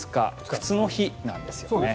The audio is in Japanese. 靴の日なんですよね。